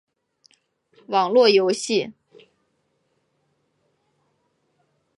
网络游戏